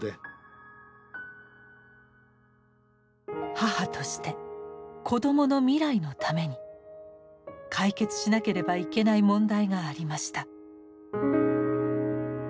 母として子どもの未来のために解決しなければいけない問題がありました。